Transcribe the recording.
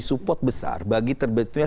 support besar bagi terbetulnya